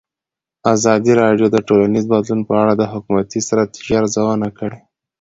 ازادي راډیو د ټولنیز بدلون په اړه د حکومتي ستراتیژۍ ارزونه کړې.